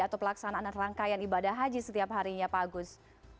atau pelaksanaan rangkaian ibadah haji setiap harinya pak agus